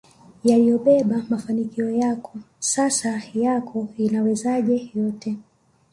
yaliyobeba mafanikio yako Sasa yako inawezaje yote